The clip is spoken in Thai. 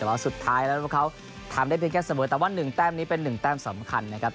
แต่ว่าสุดท้ายแล้วพวกเขาทำได้เพียงแค่เสมอแต่ว่า๑แต้มนี้เป็น๑แต้มสำคัญนะครับ